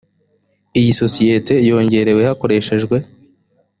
iya sosiyete yongerewe hakoreshejwe.